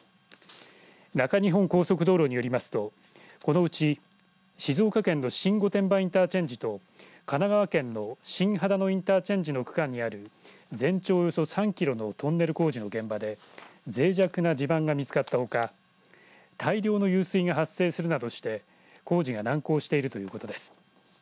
中日本高速道路によりますとこのうち静岡県の新御殿場インターチェンジと神奈川県の新秦野インターチェンジの区間にある全長およそ３キロのトンネル工事の現場でぜい弱な地盤が見つかったほか大量の湧水が発生するなどして工事が難航しているということです。